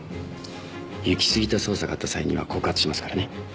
行きすぎた捜査があった際には告発しますからね。